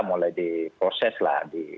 mulai diproses lah